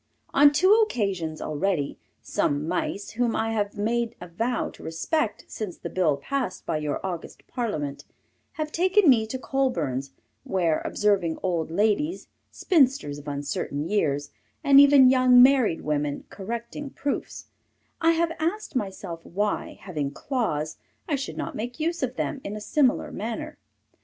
On two occasions, already, some Mice, whom I have made a vow to respect since the bill passed by your august parliament, have taken me to Colburn's, where, observing old ladies, spinsters of uncertain years, and even young married women, correcting proofs, I have asked myself why, having claws, I should not make use of them in a similar manner.